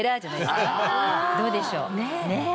どうでしょう？ねえ。